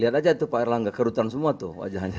lihat aja tuh pak erlangga kerutan semua tuh wajahnya